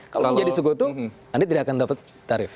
kalau menjadi sekutu anda tidak akan dapat tarif